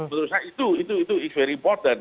menurut saya itu itu itu itu itu sangat penting